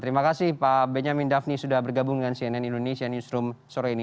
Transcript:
terima kasih pak benyamin daphni sudah bergabung dengan cnn indonesia newsroom sore ini